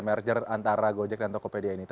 mas eko selamat pagi